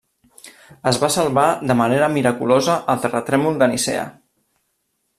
Es va salvar de manera miraculosa al terratrèmol de Nicea.